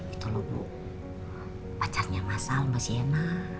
itu loh bu pacarnya masal mbak sienna